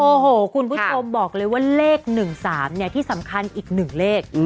โอ้โหคุณผู้ชมบอกเลยว่าเลข๑๓เนี่ยที่สำคัญอีก๑เลข